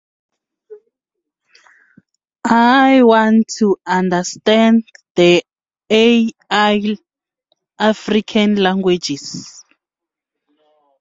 I believe in the equal distribution of property.